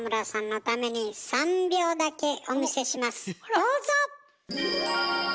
どうぞ！